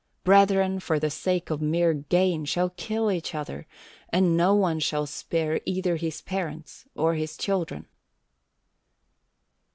Brethren for the sake of mere gain shall kill each other, and no one shall spare either his parents or his children.